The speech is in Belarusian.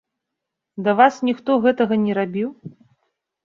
Да вас ніхто гэтага не рабіў?